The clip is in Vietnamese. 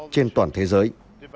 trên toàn thế giới